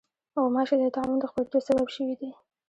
غوماشې د طاعون د خپرېدو سبب شوې دي.